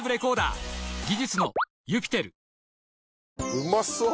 うまそう！